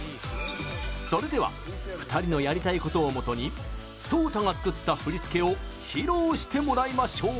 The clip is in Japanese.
それでは２人のやりたいことをもとに Ｓｏｔａ が作った振り付けを披露してもらいましょう！